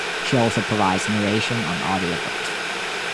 She also provides narration on audio books.